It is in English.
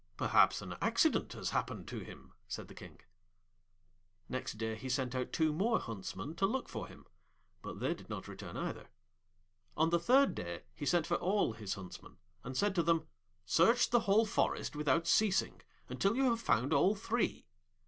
'Perhaps an accident has happened to him,' said the King. Next day he sent out two more Huntsmen to look for him, but they did not return either. On the third day he sent for all his Huntsmen, and said to them, 'Search the whole forest without ceasing, until you have found all three.'